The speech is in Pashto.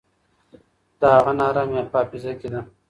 د هغه ناره مي په حافظه کي ده.